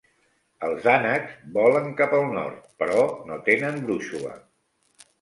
Els ànecs volen cap al nord però no tenen brúixola.